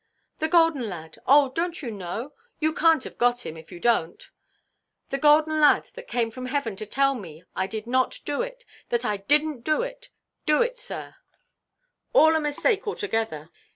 "The golden lad. Oh, donʼt you know? You canʼt have got him, if you donʼt. The golden lad that came from heaven to tell me I did not do it, that I didnʼt do it, do it, sir—all a mistake altogether.